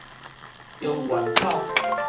中原口